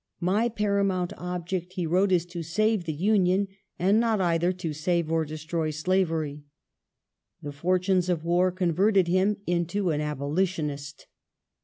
" My paramount object," he wrote, "is to save the Union, and not either to save or destroy slavery." The fortunes of war con verted him into an Abolitionist.